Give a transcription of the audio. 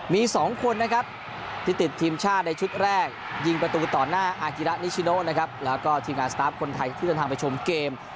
มี๒คนนะครับที่ติดทีมชาติในชุดแรกยิงประตูต่อหน้าอากิระนิชิโนนะครับแล้วก็ทีมงานสตาร์ฟคนไทยที่เดินทางไปชมเกม